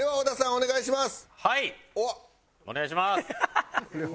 お願いします。